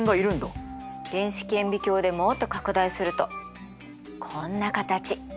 電子顕微鏡でもっと拡大するとこんな形。